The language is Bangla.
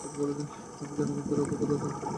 আমি জনগণকে রক্ষা করার জন্য দমকল কর্মী হতে চেয়েছিলাম।